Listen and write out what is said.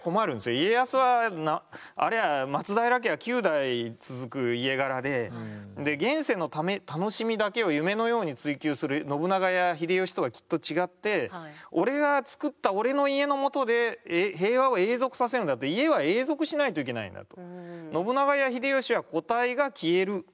家康はあれは現世の楽しみだけを夢のように追求する信長や秀吉とはきっと違って俺がつくった俺の家のもとで平和を永続させるんだと家は永続しないといけないんだと。